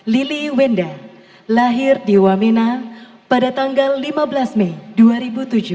lili wenda lahir di wamena pada tanggal lima belas mei dua ribu tujuh belas